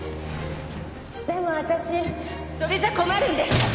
でも私それじゃ困るんです！